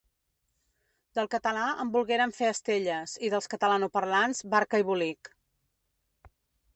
Del català en volgueren fer estelles i dels catalanoparlants barca i bolic.